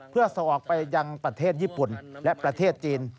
เพื่อส่งออกไปยังประเทศญี่ปุ่นและประเทศจีน